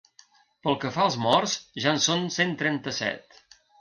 Pel que fa als morts, ja en són cent trenta-set.